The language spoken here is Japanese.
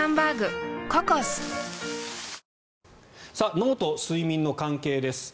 脳と睡眠の関係です。